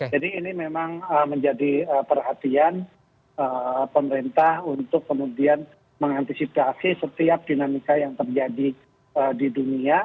jadi ini memang menjadi perhatian pemerintah untuk kemudian mengantisipasi setiap dinamika yang terjadi di dunia